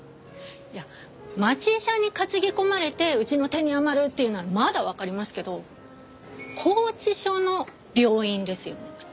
いや町医者に担ぎ込まれてうちの手に余るっていうならまだわかりますけど拘置所の病院ですよね。